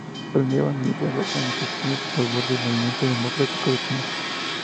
Planeaban unirse a las manifestaciones en favor del Movimiento Democrático de China.